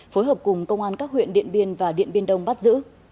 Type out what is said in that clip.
phối hợp cùng công an các huyện điện biên và điện biên đông bắt giữ